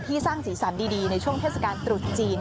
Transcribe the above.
สร้างสีสันดีในช่วงเทศกาลตรุษจีน